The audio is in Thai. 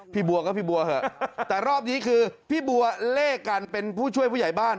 บัวก็พี่บัวเถอะแต่รอบนี้คือพี่บัวเลขกันเป็นผู้ช่วยผู้ใหญ่บ้าน